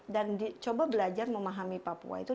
dan coba belajar memperbaiki masalah lainnya